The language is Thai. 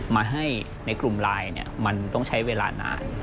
มาให้ในกลุ่มไลน์มันต้องใช้เวลานาน